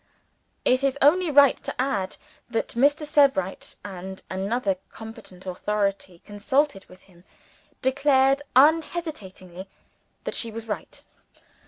It is only right to add that Mr. Sebright, and another competent authority consulted with him, declared unhesitatingly that she was right.